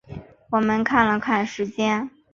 我们看了看时间